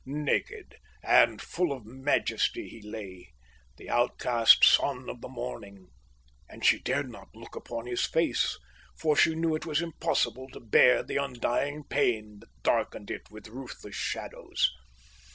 Naked and full of majesty he lay, the outcast son of the morning; and she dared not look upon his face, for she knew it was impossible to bear the undying pain that darkened it with ruthless shadows.